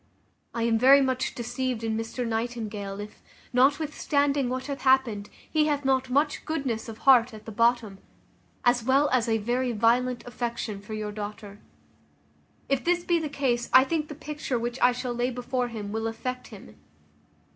I am very much deceived in Mr Nightingale, if, notwithstanding what hath happened, he hath not much goodness of heart at the bottom, as well as a very violent affection for your daughter. If this be the case, I think the picture which I shall lay before him will affect him.